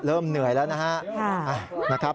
เริ่มเหนื่อยแล้วนะครับ